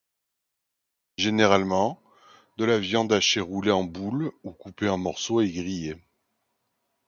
Généralement, de la viande hachée roulée en boule ou coupée en morceaux est grillée.